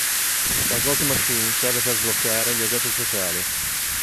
La "slot machine" serve per sbloccare gli oggetti speciali.